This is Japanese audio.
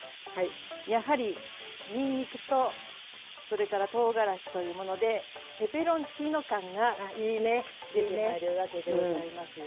やはりにんにくとそれからとうがらしというものでペペロンチーノ感が出てまいるわけでございます。